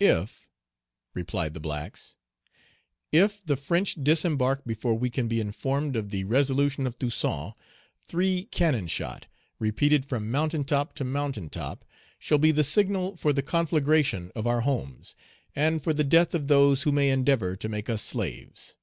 "If," replied the blacks, "if the French disembark before we can be informed of the resolution of Toussaint, three cannon shot, repeated from mountain top to mountain top, shall be the signal for the conflagration of our homes, and for the death of those who may endeavor to make us slaves."